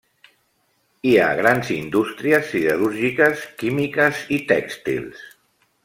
Hi ha grans indústries siderúrgiques, químiques i tèxtils.